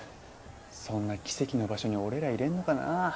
そんな奇跡の場所に俺らいられんのかな？